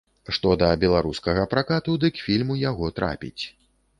Што да беларускага пракату, дык фільм у яго трапіць.